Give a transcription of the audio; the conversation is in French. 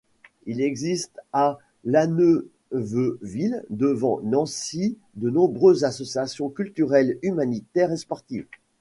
Il existe à Laneuveville-devant-Nancy de nombreuses associations culturelles humanitaires et sportives.